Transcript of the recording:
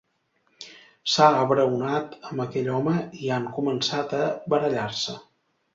S'ha abraonat amb aquell home i han començat a barallar-se.